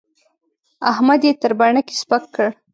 احمد يې تر بڼکې سپک کړ.